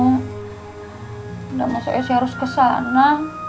udah masa esi harus ke sana